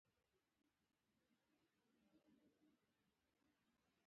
د داروګانو سره د افغاني رګونو نا اشنا حالت حساسیت راپارولی.